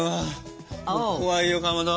怖いよかまど。